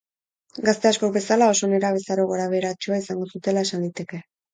Gazte askok bezala, oso nerabezaro gorabeheratsua izan zutela esan liteke.